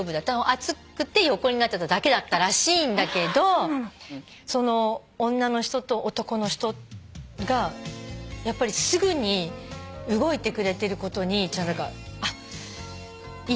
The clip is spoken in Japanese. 暑くて横になってただけだったらしいんだけどその女の人と男の人がやっぱりすぐに動いてくれてることにあっいいなってちょっと思った。